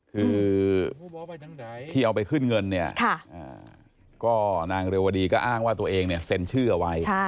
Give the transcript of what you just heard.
คือที่เอาไปขึ้นเงินเนี่ยก็นางเรวดีก็อ้างว่าตัวเองเนี่ยเซ็นชื่อเอาไว้